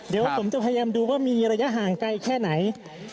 เดี๋ยวผมจะพยายามดูว่ามีระยะห่างไกลแค่ไหน